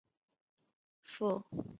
富久町是东京都新宿区的町名。